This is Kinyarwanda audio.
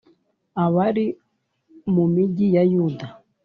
abari mu migi ya Yuda.